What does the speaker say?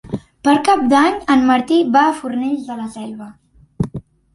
Per Cap d'Any en Martí va a Fornells de la Selva.